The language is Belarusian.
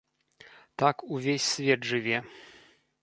Так увесь свет жыве.